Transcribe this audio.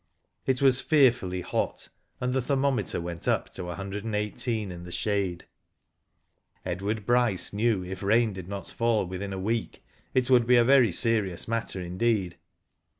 It was fearfully hot, and the theitnometer went up to 1 18 in the shade, Edward Bryce knew if rain did not fall within a week, it would be »a v^y. serious matter indeed.